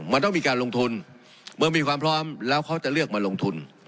มันต้องมีการลงทุนเมื่อมีความพร้อมแล้วเขาจะเลือกมาลงทุน